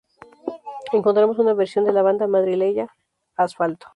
Encontramos una versión de la banda madrileña Asfalto.